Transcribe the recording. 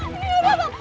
ini dia bapak